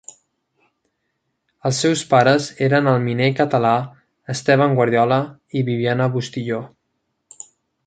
Els seus pares eren el miner català Esteban Guardiola i Bibiana Bustillo.